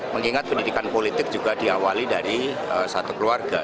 mengingat pendidikan politik juga diawali dari satu keluarga